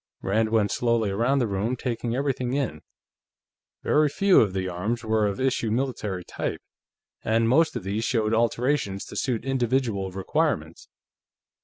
Rand went slowly around the room, taking everything in. Very few of the arms were of issue military type, and most of these showed alterations to suit individual requirements.